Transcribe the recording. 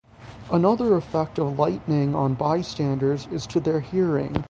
Another effect of lightning on bystanders is to their hearing.